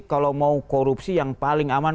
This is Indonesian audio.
kalau mau korupsi yang paling aman